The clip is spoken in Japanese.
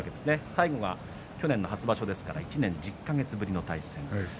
最後は去年の初場所ですから１年１０か月ぶりの対戦です。